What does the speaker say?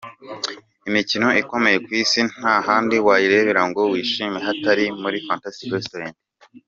Imikino ikomeye ku isi nta handi wayirebera ngo wishime hatari muri Fantastic Restaurant.